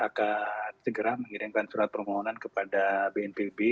akan segera mengirimkan surat permohonan kepada bnpb